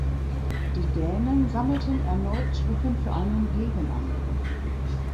Die Dänen sammelten erneut Truppen für einen Gegenangriff.